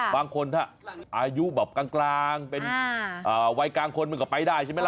บางคนถ้าอายุแบบกลางเป็นวัยกลางคนมันก็ไปได้ใช่ไหมล่ะ